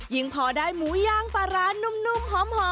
พอได้หมูย่างปลาร้านุ่มหอม